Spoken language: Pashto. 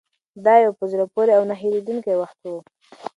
دا یو په زړه پورې او نه هېرېدونکی وخت و.